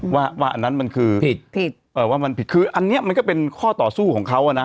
ว่าอันนั้นมันคือผิดคืออันนี้มันก็เป็นข้อต่อสู้ของเขานะ